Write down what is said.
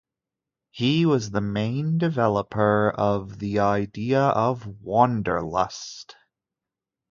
He was the main developer of the idea of "Wanderlust".